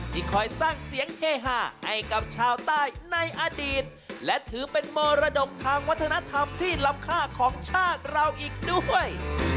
คอยสร้างเสียงเฮฮาให้กับชาวใต้ในอดีตและถือเป็นมรดกทางวัฒนธรรมที่ลำค่าของชาติเราอีกด้วย